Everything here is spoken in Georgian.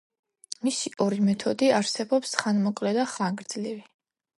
მისი ორი მეთოდი არსებობს: ხანმოკლე და ხანგრძლივი.